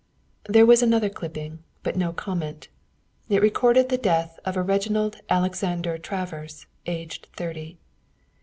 There was another clipping, but no comment. It recorded the death of a Reginald Alexander Travers, aged thirty.